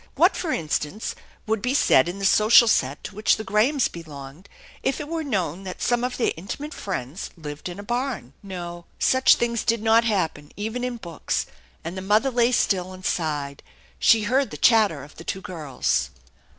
What, for instance, would be said in the social set to which the Grahams belonged if it were known that some of their intimate friends lived in a barn? No, such things did not happen even in books, and the mother lay still and sighed. She heard the chatter of the two girls.